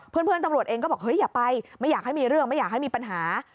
เพื่อนตำรวจเองก็บอกเฮ้ยอย่าไปไม่อยากให้มีเรื่องไม่อยากให้มีปัญหา